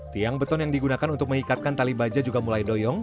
tiang beton yang digunakan untuk mengikatkan tali baja juga mulai doyong